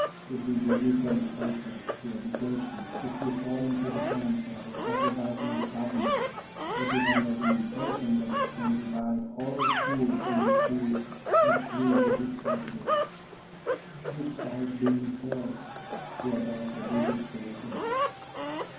It will be equally fatal to education if we fall into the hands of a supervising depart ment which is under the impression that it can divide all schools into two or three rigid cate gories, each type being forced to adopt a rigid curriculum.